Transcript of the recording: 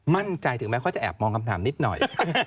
มั่นใจถึงแม้เขาจะแอบมองคำถามนิดหน่อย